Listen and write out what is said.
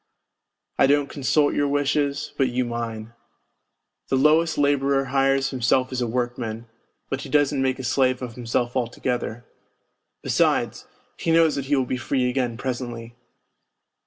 I don't consult your wishes, but you mine. The lowest labourer hires himself as a workman but he doesn't make a slave of himself altogether; besides, he NOTES FROM UNDERGROUND 129 knows that he will be free again presently.